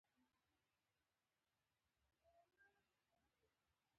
او ناڅاپه د بهلول سره اوږه په اوږه ولګېده.